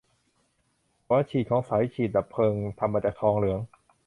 หัวฉีดของสายฉีดดับเพลิงทำมาจากทองเหลือง